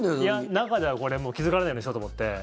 中では気付かれないようにしようと思って。